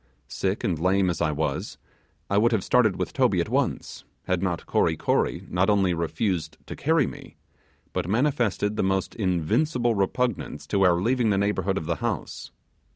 Sick and lame as I was, I would have started with Toby at once, had not Kory Kory not only refused to carry me, but manifested the most invincible repugnance to our leaving the neighbourhood of the house.